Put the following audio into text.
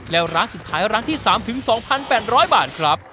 แล้วร้านสุดท้ายร้านที่๓๒๘๐๐บาทครับ